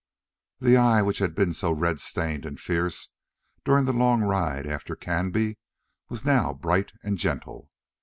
The eye which had been so red stained and fierce during the long ride after Canby was now bright and gentle.